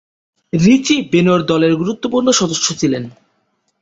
রিচি বেনো’র দলের গুরুত্বপূর্ণ সদস্য ছিলেন।